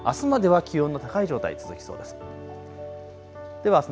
あすまでは気温の高い状態、続きそうです。